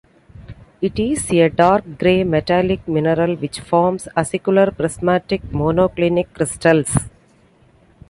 It is a dark grey metallic mineral which forms acicular prismatic monoclinic crystals.